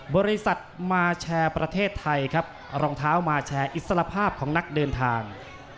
บริษัทมาแชร์ประเทศไทยครับรองเท้ามาแชร์อิสระภาพของนักเดินทาง